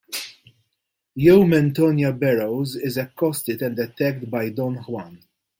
Yeoman Tonia Barrows is accosted and attacked by Don Juan.